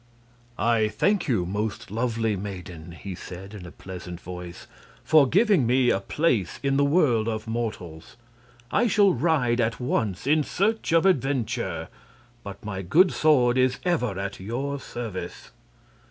"I thank you, most lovely maiden," he said, in a pleasant voice, "for giving me a place in the world of mortals. I shall ride at once in search of adventure, but my good sword is ever at your service."